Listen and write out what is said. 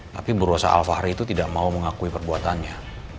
tapi beruasa al fahri itu tidak mau mengakui perbuatannya